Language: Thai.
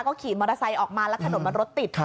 ก็ขี่มอเตอร์ไซค์ออกมาแล้วถนนมันรถติด